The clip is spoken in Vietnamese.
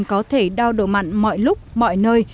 có thể đo độ mặn mọi lúc mọi nơi